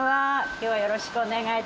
今日はよろしくお願い致します。